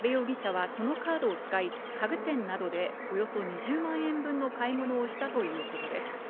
阿部容疑者はそのカードを使い、家具店などでおよそ２０万円分の買い物をしたということです。